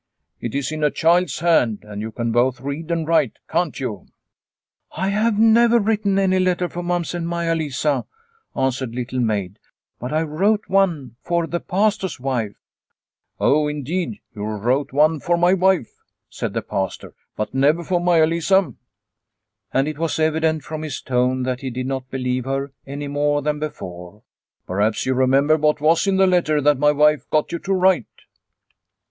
It is in a child's hand, and you can both read and write, can't you ?"" I have never written any letter for Mamsell Maia Lisa," answered Little Maid, " but I wrote one for the Pastor's wife." " Oh, indeed; you wrote one for my wife," said the Pastor ;" but never for Maia Lisa." And it was evident from his tone that he did not believe her, any more than before. Perhaps you remember what was in the letter that my wife got you to write